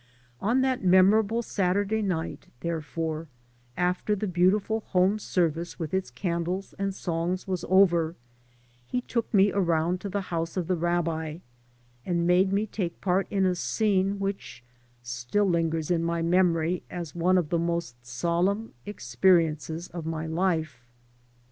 On that memorable Satur day night, therefore, after the beautiful home service with its candles and songs was over, he took me around to the house of the rabbi and made me take part in a scene which still lingers in my memory as one of the most solemn experiences of my life.